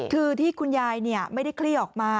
คือที่คุณยายไม่ได้คลี่ออกมา